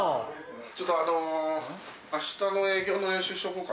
ちょっとあの明日の営業の練習しとこうか。